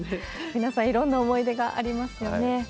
皆さん、いろんな思い出がありますよね。